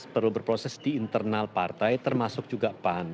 perlu berproses di internal partai termasuk juga pan